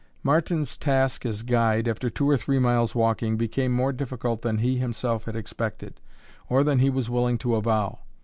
Martin's task as guide, after two or three miles' walking, became more difficult than he himself had expected, or than he was willing to avow.